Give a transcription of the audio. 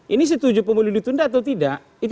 ini setuju pemilu ditunda atau tidak